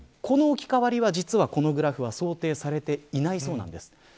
この置き換わりは実はこのグラフは想定されていないそうなんです。